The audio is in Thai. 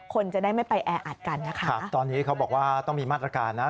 คนจะได้ไม่ไปแออัดกันนะคะครับตอนนี้เขาบอกว่าต้องมีมาตรการนะ